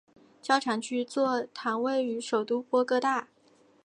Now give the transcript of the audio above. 教长区座堂位于首都波哥大。